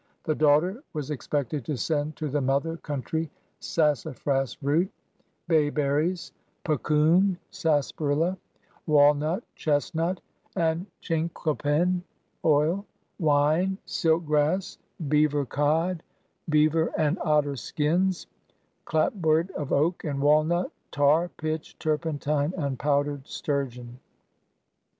The daughter was expected to send to the mother country sassafras root, bay berries, puccoon, sarsa parilla, walnut, chestnut, and chinquapin oil, wine, silk grass, beaver cod, beaver and otter skins, clap board of oak and walnut, tar, pitch, turpentine, and powdered sturgeon.